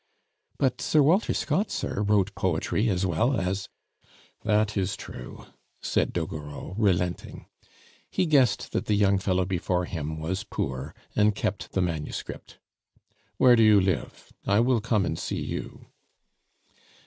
"But Sir Walter Scott, sir, wrote poetry as well as " "That is true," said Doguereau, relenting. He guessed that the young fellow before him was poor, and kept the manuscript. "Where do you live? I will come and see you."